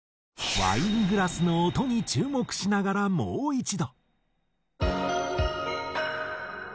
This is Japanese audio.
ワイングラスの音に注目しながらもう一度。